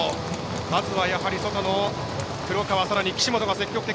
まずは、やはり外の黒川、さらに岸本が積極的。